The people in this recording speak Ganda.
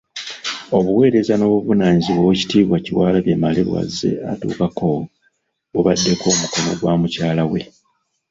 Obuweereza n'obuvunaanyizibwa Oweekitiibwa Kyewalabye Male bw'azze atuukako, bubaddeko omukono gwa mukyala we .